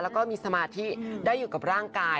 แล้วก็มีสมาธิได้อยู่กับร่างกาย